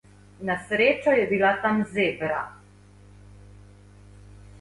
Na srečo je bila tam zebra.